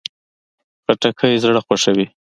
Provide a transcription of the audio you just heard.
خټکی زړه خوښوي.